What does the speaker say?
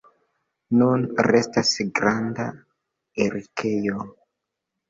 Nun restas granda erikejo.